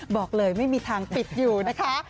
บอกเลยไม่มีทางปิดอยู่นะคะ